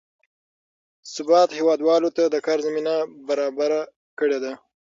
ثبات هېوادوالو ته د کار زمینه برابره کړې ده.